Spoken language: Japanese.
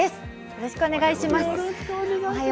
よろしくお願いします。